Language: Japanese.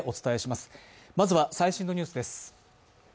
まずは最新のニュースです。